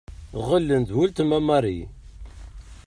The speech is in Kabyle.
Ɣilen d uletma Marie.